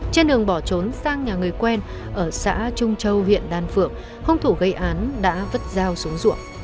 trên đường bỏ trốn sang nhà người quen ở xã trung châu huyện đan phượng hung thủ gây án đã vứt dao xuống ruộng